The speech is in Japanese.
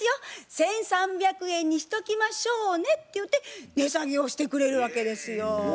１，３００円にしときましょうね」ってゆうて値下げをしてくれるわけですよ。